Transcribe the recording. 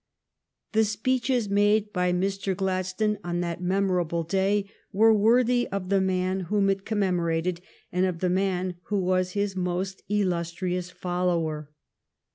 The speeches made by Mr. Gladstone on that memorable day were worthy of the man whom it commemorated, and of the man who was his most illustrious follower.